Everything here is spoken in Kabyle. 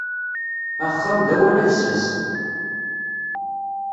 Axxam d awal afessas.